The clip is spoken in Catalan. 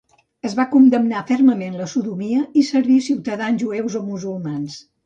Es va condemnar fermament la sodomia i servir ciutadans jueus o musulmans.